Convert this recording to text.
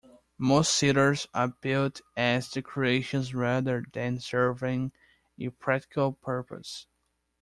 Most sitters are built as decorations rather than serving a practical purpose.